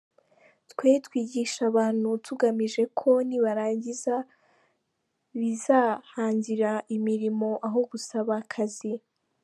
Twe twigisha abantu tugamije ko nibarangiza bazihangira imirimo aho gusaba akazi.